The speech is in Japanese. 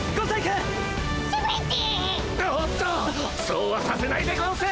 そうはさせないでゴンス。